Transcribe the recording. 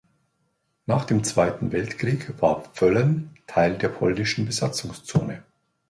Nach dem Zweiten Weltkrieg war Völlen Teil der polnischen Besatzungszone.